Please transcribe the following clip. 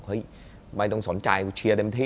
เอ้อมันมาก